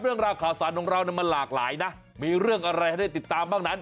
เรื่องราวข่าวสารของเรามันหลากหลายนะมีเรื่องอะไรให้ได้ติดตามบ้างนั้น